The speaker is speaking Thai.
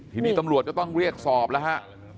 ทีนี้ตำรวจก็ต้องเรียกสอบแล้วฮะ